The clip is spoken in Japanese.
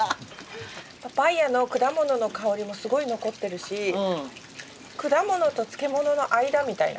パパイアの果物の香りもすごい残ってるし果物と漬物の間みたいな。